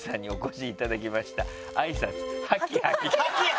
「ハキハキ」！